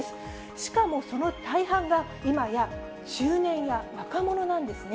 しかも、その大半が今や、中年や若者なんですね。